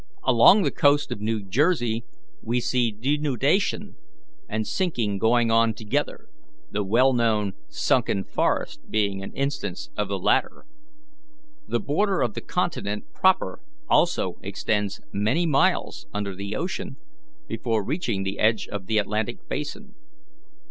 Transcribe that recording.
Along the coast of New Jersey we see denudation and sinking going on together, the well known SUNKEN FOREST being an instance of the latter. The border of the continent proper also extends many miles under the ocean before reaching the edge of the Atlantic basin.